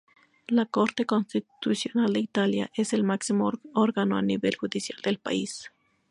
La Corte Constitucional de Italia es el máximo órgano a nivel judicial del país.